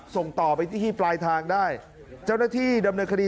ส่งต่อไปที่ที่ปลายทางได้เจ้าหน้าที่ดำเนินคดี